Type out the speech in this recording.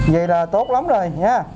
vậy là tốt lắm rồi